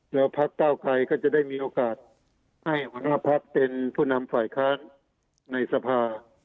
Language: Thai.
แล้วพักเก้าไกรก็จะได้มีโอกาสให้หัวหน้าพักเป็นผู้นำฝ่ายค้านในสภา